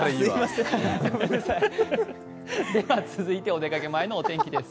続いてお出かけ前のお天気です。